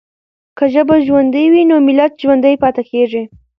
که ژبه ژوندۍ وي نو ملت ژوندی پاتې کېږي.